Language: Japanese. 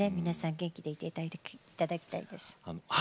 皆さんに元気でいてもらいたいです。